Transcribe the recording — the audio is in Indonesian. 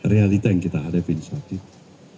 realita yang kita hadapi di saat itu